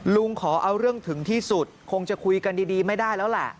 ลุงขอเอาเรื่องถึงที่สุดคงจะคุยกันดีไม่ได้แล้วแหละ